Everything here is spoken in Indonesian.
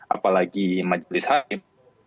apalagi majelis hakim